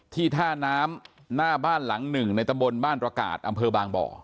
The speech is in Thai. ท่าน้ำหน้าบ้านหลังหนึ่งในตะบนบ้านตระกาศอำเภอบางบ่อ